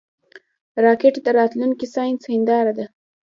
راکټ د راتلونکي ساینس هنداره ده